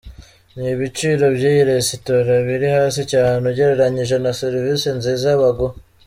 Ibiciro by'iyi Resitora, biri hasi cyane ugereranyije na serivisi nziza baguha.